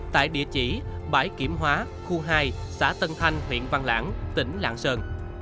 tại địa chỉ bãi kiểm hóa khu hai xã tân thanh huyện văn lãng tỉnh lạng sơn